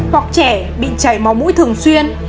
hoặc trẻ bị chảy máu mũi thường xuyên